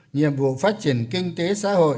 nhiệm vụ phát triển kinh tế xã hội